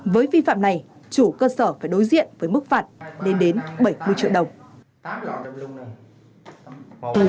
với vi phạm này chủ cơ sở phải đối diện với mức phạt lên đến bảy mươi triệu đồng